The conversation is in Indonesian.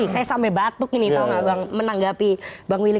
saya sampai batuk ini tahu nggak bang menanggapi bang willy